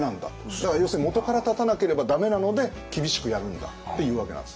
だから要するに元から断たなければダメなので厳しくやるんだっていうわけなんです。